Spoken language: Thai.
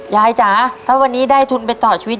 จ๋าถ้าวันนี้ได้ทุนไปต่อชีวิต